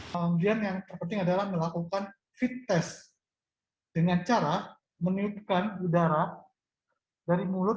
kemudian yang terpenting adalah melakukan fit test dengan cara meniupkan udara dari mulut